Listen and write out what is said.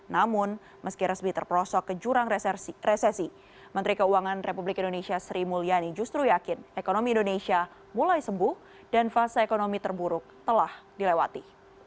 namun meski resmi terperosok ke jurang resesi menteri keuangan republik indonesia sri mulyani justru yakin ekonomi indonesia mulai sembuh dan fase ekonomi terburuk telah dilewati